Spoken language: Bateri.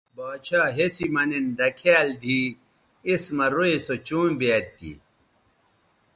باڇھا ہسی مہ نِن دکھیال دی اِس مہ روئ سو چوں بیاد تھی